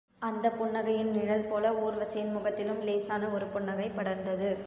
அந்தப் புன்னகையின் நிழல்போல ஊர்வசியின் முகத்திலும் லேசான ஒரு புன்னகை படர்ந்தது.